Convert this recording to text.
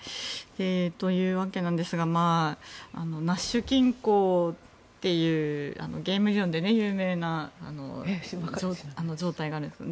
というわけなんですがナッシュ均衡というゲーム理論で有名な状態があるんですが。